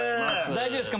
大丈夫ですか？